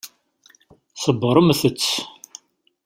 Ṣebbṛemt-tt.